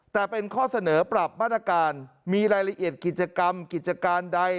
แต่เป็นข้อเสนอปรับมาตรการมีรายละเอียดกิจกรรมกิจการใด